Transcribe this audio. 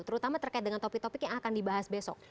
terutama terkait dengan topik topik yang akan dibahas besok